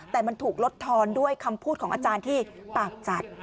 แต่มันถูกลดทอนด้วยคำพูดของอาจารย์ที่ปากจัด